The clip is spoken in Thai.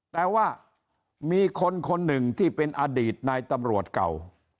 แต่ว่ามีคนคนหนึ่งที่เป็นอดีตนายตำรวจเก่า